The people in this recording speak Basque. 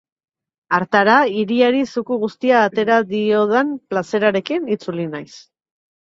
Hartara, hiriari zuku guztia atera diodan plazerarekin itzuli naiz.